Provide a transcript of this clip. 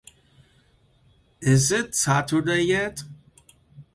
Is It Saturday Yet?